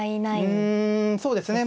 うんそうですね。